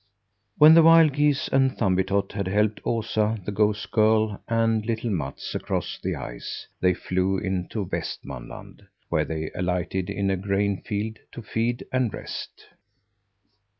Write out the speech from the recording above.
When the wild geese and Thumbietot had helped Osa, the goose girl, and little Mats across the ice, they flew into Westmanland, where they alighted in a grain field to feed and rest.